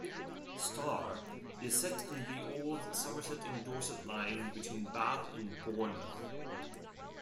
"Star" is set on the old Somerset and Dorset line between Bath and Bournemouth.